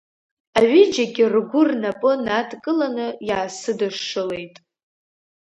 Аҩыџьагьы ргәы рнапы надкыланы иаасыдышшылеит.